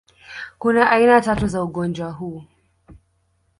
Kuna aina tatu za ugonjwa huu